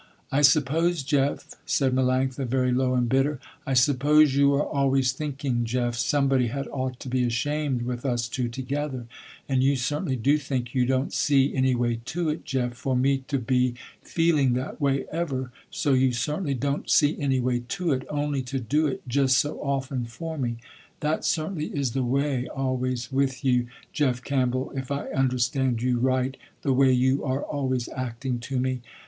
"I suppose, Jeff," said Melanctha, very low and bitter, "I suppose you are always thinking, Jeff, somebody had ought to be ashamed with us two together, and you certainly do think you don't see any way to it, Jeff, for me to be feeling that way ever, so you certainly don't see any way to it, only to do it just so often for me. That certainly is the way always with you, Jeff Campbell, if I understand you right the way you are always acting to me.